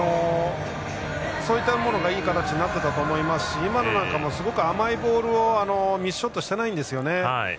そういったものがいい形になっていたと思いますし今のなんかもすごく甘いボールをミスショットしていないんですよ。